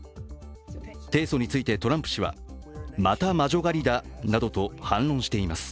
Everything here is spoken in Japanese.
提訴についてトランプ氏はまた魔女狩りだなどと反論しています。